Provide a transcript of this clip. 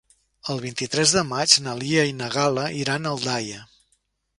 El vint-i-tres de maig na Lia i na Gal·la iran a Aldaia.